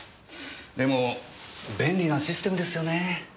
でも便利なシステムですよねぇ。